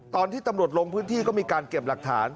ตอนที่ตำรวจลงพื้นที่ก็มีการเก็บหลักฐาน